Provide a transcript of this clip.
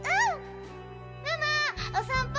ママお散歩！